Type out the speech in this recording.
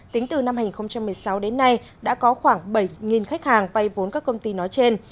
tính từ năm hai nghìn một mươi sáu đến nay đã có khoảng bảy khách hàng vay vốn các công ty nói trên